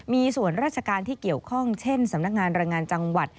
มีส่วนราชการที่เกี่ยวข้องเช่นสำนักงานแรงงานจังหวัด